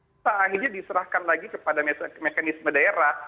kita akhirnya diserahkan lagi kepada mekanisme daerah